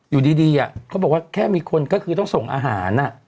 อยู่ดีเขาบอกว่าแค่มีคนก็คือต้องส่งอาหาร